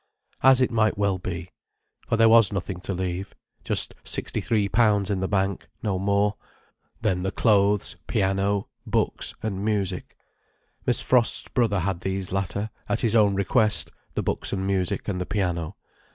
As it might well be. For there was nothing to leave. Just sixty three pounds in the bank—no more: then the clothes, piano, books and music. Miss Frost's brother had these latter, at his own request: the books and music, and the piano.